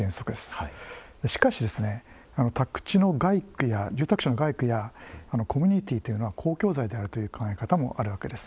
しかし住宅地の街区やコミュニティーというのは公共財であるという考え方もあるわけです。